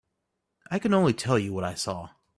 I can only tell you what I saw.